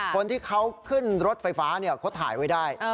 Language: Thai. คนที่เขาขึ้นรถไฟฟ้าเขาถ่ายไว้ได้